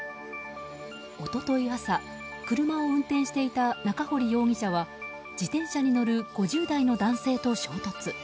一昨日朝、車を運転していた中堀容疑者は自転車に乗る５０代の男性と衝突。